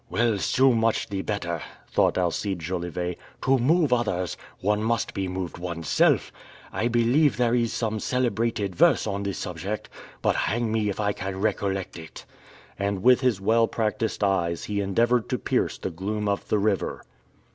"Well, so much the better!" thought Alcide Jolivet, "to move others, one must be moved one's self! I believe there is some celebrated verse on the subject, but hang me if I can recollect it!" And with his well practiced eyes he endeavored to pierce the gloom of the river.